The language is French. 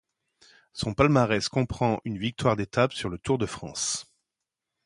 Son palmarès comprend une victoire d'étape sur le Tour de France.